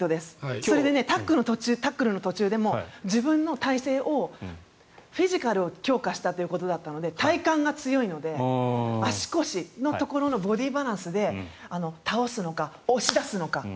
それで、タックルの途中でも自分の体勢をフィジカルを強化したということだったので体幹が強いので足腰のところのボディーバランスで倒すのか、押し出すのか